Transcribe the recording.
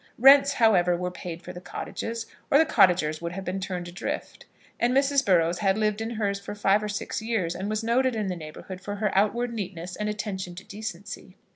Rents, however, were paid for the cottages, or the cottagers would have been turned adrift; and Mrs. Burrows had lived in hers for five or six years, and was noted in the neighbourhood for her outward neatness and attention to decency.